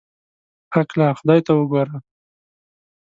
هکله خدای ته وګوره.